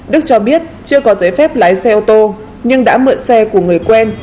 đức cho biết chưa có giấy phép lái xe ô tô nhưng đã mượn xe của người quen